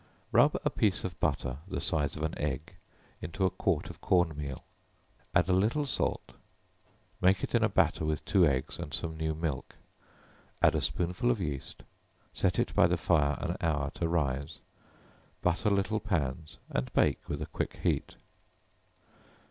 Rub a piece of butter the size of an egg, into a quart of com meal, add a little salt, make it in a batter with two eggs and some new milk, add a spoonful of yeast, set it by the fire an hour to rise, butter little pans, and bake with a quick heat.